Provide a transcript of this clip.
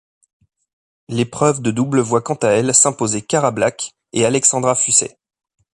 L'épreuve de double voit quant à elle s'imposer Cara Black et Alexandra Fusai.